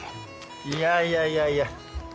いやいやいやいや。